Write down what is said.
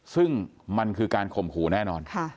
ซึ่งมันคือการข่มขู่แน่นอน